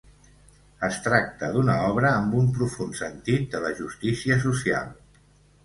Es tracta d'una obra amb un profund sentit de la justícia social.